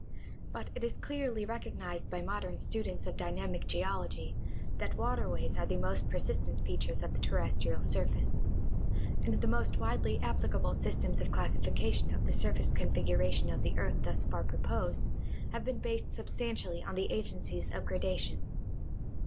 But it is clearly recognized by modern students of dynamic geol ogy that waterways are the most persistent features of the terrestrial surface ; and the most widely applicable systems of classification of the surface configuration of the earth thus far proposed have been based substantially on the agencies of grada tion.